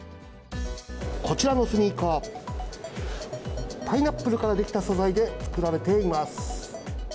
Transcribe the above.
こちらのスニーカー、パイナップルから出来た素材で作られています。